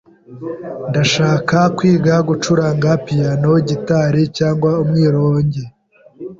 Ndashaka kwiga gucuranga piyano, gitari cyangwa umwironge.